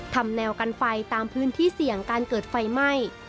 ทำแนวกันไฟตามพื้นที่เสี่ยงการเกิดไฟไหม้